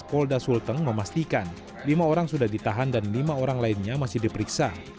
dan polda sulteng memastikan lima orang sudah ditahan dan lima orang lainnya masih diperiksa